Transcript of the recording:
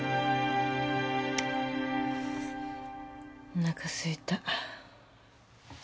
おなかすいた。